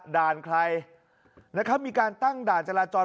ด่านใครนะครับมีการตั้งด่านจราจร